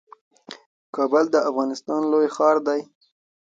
کابل د افغانستان لوی ښار دئ